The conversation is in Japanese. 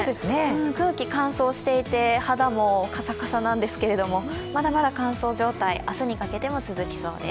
空気、乾燥していて、肌もカサカサなんですけれども、まだまだ乾燥状態、明日にかけても続きそうです。